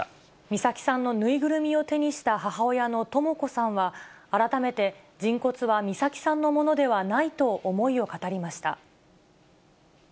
美咲さんの縫いぐるみを手にした母親のとも子さんは、改めて人骨は美咲さんのものではないと思いを語りました。